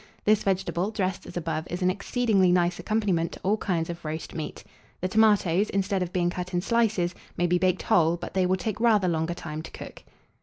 This vegetable, dressed as above, is an exceedingly nice accompaniment to all kinds of roast meat. The tomatoes, instead of being cut in slices, may be baked whole; but they will take rather longer time to cook.